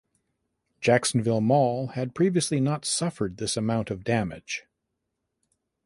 Jacksonville Mall had previously not suffered this amount of damage.